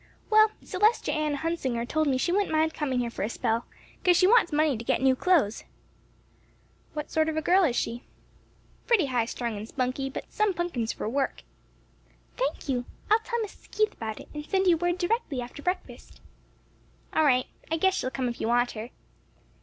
"Well, Celestia Ann Hunsinger told me she wouldn't mind coming here for a spell; 'cause she wants money to git new clo'es." "What sort of a girl is she?" "Pretty high strung and spunky, but some punkuns for work." "Thank you. I'll tell Mrs. Keith about it, and send you word directly after breakfast." "All right. I guess she'll come if you want her."